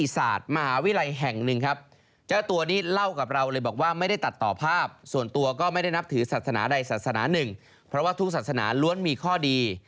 ศาสนาใดศาสนาหนึ่งเพราะว่าทุกศาสนาล้วนมีข้อดี